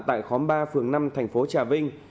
tại khóm ba phường năm thành phố trà vinh